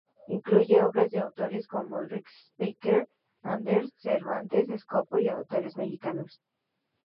Incluye obra de autores como Dickens, Shakespeare, Andersen, Cervantes, Esopo y autores mexicanos.